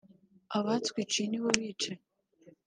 Abatwiciye ni bo bicanyi